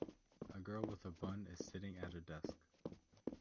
A girl with a bun is sitting at a desk.